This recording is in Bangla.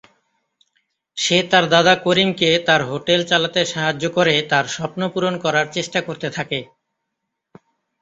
সে তার দাদা করিম কে তার হোটেল চালাতে সাহায্য করে তার স্বপ্ন পূরণ করার চেষ্টা করতে থাকে।